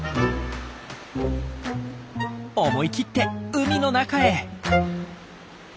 思い切って海の中へ。